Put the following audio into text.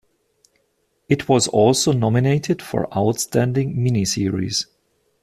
It was also nominated for Outstanding Miniseries.